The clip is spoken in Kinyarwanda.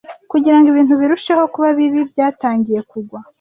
Kugira ngo ibintu birusheho kuba bibi, byatangiye kugwa.